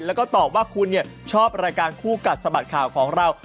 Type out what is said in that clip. แล้วก็ตอบว่าคุณชอบรายการคู่กัดสะบัดข่าวของเรา